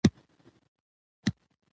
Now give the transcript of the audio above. تاریخ د خپل ولس د وروڼتوب لامل دی.